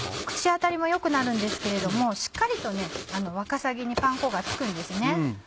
口当たりも良くなるんですけれどもしっかりとわかさぎにパン粉がつくんです。